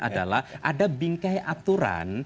adalah ada bingkai aturan